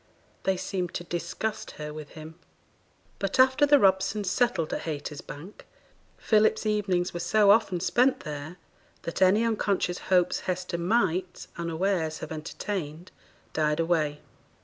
They seemed to disgust her with him. But after the Robsons settled at Haytersbank, Philip's evenings were so often spent there that any unconscious hopes Hester might, unawares, have entertained, died away.